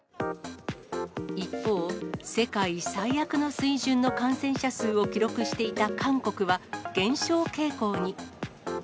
一方、世界最悪の水準の感染者数を記録していた韓国は、減少傾向に。